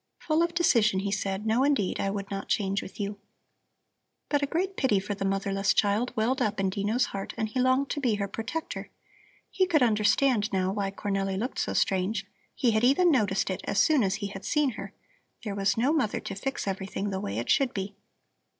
Full of decision he said: "No indeed, I would not change with you." But a great pity for the motherless child welled up in Dino's heart and he longed to be her protector. He could understand now why Cornelli looked so strange; he had even noticed it as soon as he had seen her. There was no mother to fix everything the way it should be.